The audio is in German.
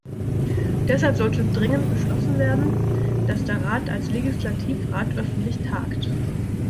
Deshalb sollte dringend beschlossen werden, dass der Rat als Legislativrat öffentlich tagt.